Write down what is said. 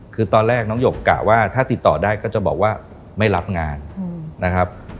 คือตอนแรกน้องหยกกะว่าถ้าติดต่อได้ก็จะบอกว่าไม่รับงานนะครับ